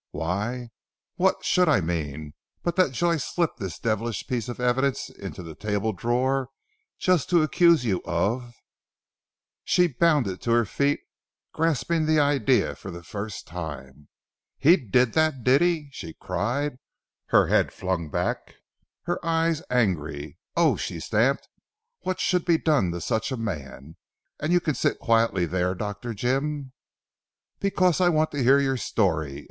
"Why, what should I mean, but that Joyce slipped this devilish piece of evidence into the table drawer, just to accuse you of " She bounded to her feet, grasping the idea for the first time. "He did that, did he?" she cried her head flung back, her eyes angry. "Oh!" she stamped, "what should be done to such a man! And you can sit quietly there Dr. Jim." "Because I want to hear your story.